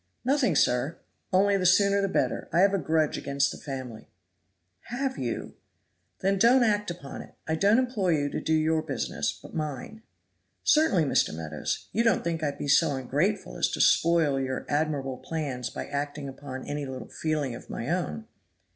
"Nothing, sir, only the sooner the better. I have a grudge against the family." "Have you? then don't act upon it. I don't employ you to do your business, but mine. "Certainly, Mr. Meadows. You don't think I'd be so ungrateful as to spoil your admirable plans by acting upon any little feeling of my own."